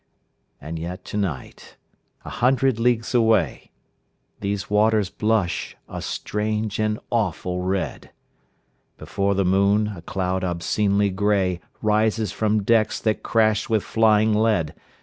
And yet to night, a hundred leagues away, These waters blush a strange and awful red. Before the moon, a cloud obscenely grey Rises from decks that crash with flying lead.